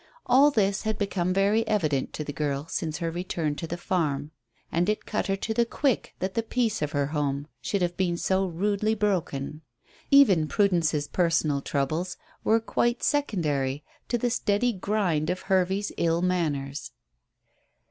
All this had become very evident to the girl since her return to the farm, and it cut her to the quick that the peace of her home should have been so rudely broken. Even Prudence's personal troubles were quite secondary to the steady grind of Hervey's ill manners.